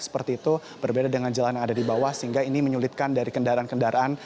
seperti itu berbeda dengan jalan yang ada di bawah sehingga ini menyulitkan dari kendaraan kendaraan